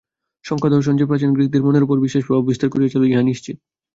সাংখ্যদর্শন যে প্রাচীন গ্রীকদের মনের উপর বিশেষ প্রভাব বিস্তার করিয়াছিল, ইহা নিশ্চিত।